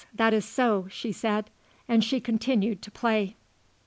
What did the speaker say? That is so," she said. And she continued to play.